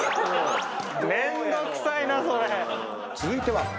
続いては。